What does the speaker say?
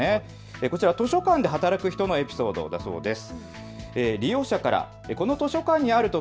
こちら、図書館で働く人のエピソードだそうです。